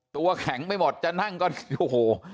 ตัวแข็งไปหมดจะนั่งก็โอ้โห